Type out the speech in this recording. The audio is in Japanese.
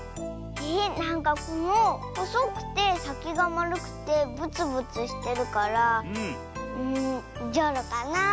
えなんかこのほそくてさきがまるくてぶつぶつしてるからじょうろかなって。